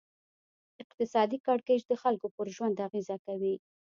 اقتصادي کړکېچ د خلکو پر ژوند اغېز کوي.